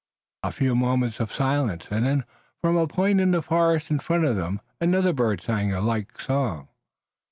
A few moments of silence and then from a point in the forest in front of them another bird sang a like song.